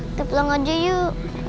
kita pulang aja yuk